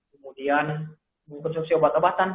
kemudian mengkonsumsi obat obatan